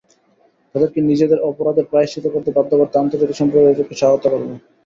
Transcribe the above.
তাদেরকে নিজেদের অপরাধের প্রায়শ্চিত্ত করতে বাধ্য করতে আন্তর্জাতিক সম্প্রদায়কে সহায়তা করব।